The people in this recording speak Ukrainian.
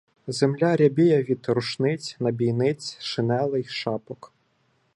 Земля рябіє від рушниць, набійниць, шинелей, шапок.